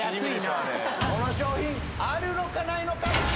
あれこの商品あるのかないのか？